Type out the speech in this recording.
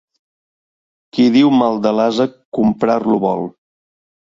Qui diu mal de l'ase, comprar-lo vol.